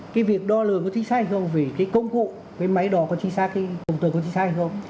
cái việc đo lường có chi sai hay không vì cái công cụ cái máy đo có chi sai cái công tơ có chi sai hay không